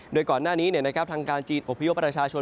โดยก่อนหน้านี้ทางการจีนอบพยพประชาชน